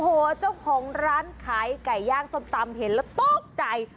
โอ้โหเจ้าของร้านขายไก่ย่างส้มตำเห็นแล้วตกใจ